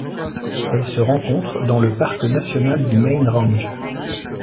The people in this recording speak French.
Elle se rencontre dans le parc national du Main Range.